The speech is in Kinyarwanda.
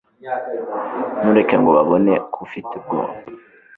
Ntureke ngo babone ko ufite ubwoba